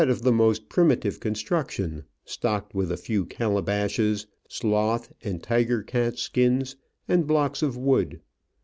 y\ the most primitive construction, stocked with a few calabashes, sloth and tiger cat skins, and blocks of wood.